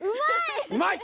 うまい！